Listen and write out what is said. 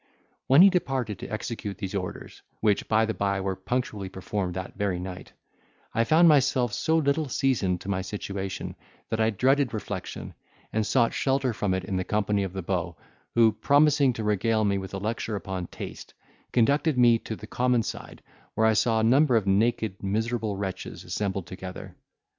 When he departed to execute these orders (which by the bye were punctually performed that very night), I found myself so little seasoned to my situation, that I dreaded reflection, and sought shelter from it in the company of the beau, who, promising to regale me with a lecture upon taste, conducted me to the common side, where I saw a number of naked miserable wretches assembled together.